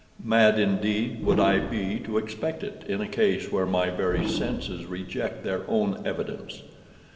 Mad indeed would I be to expect it, in a case where my very senses reject their own evidence.